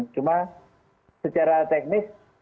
cuma secara teknis